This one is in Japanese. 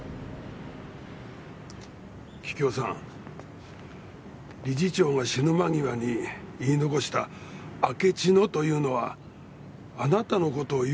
桔梗さん理事長が死ぬ間際に言い残した「明智の」というのはあなたの事を言おうとしたんでしょうね。